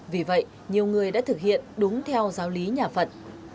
vì vậy nhiều người đã thực hiện đúng theo giáo lý nhà phật